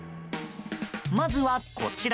まずはこちら。